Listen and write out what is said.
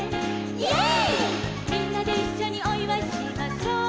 「イエーイ」「みんなでいっしょにおいわいしましょう」